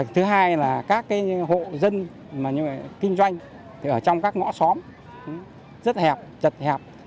thứ hai là các hộ dân kinh doanh thì ở trong các ngõ xóm rất hẹp chật hẹp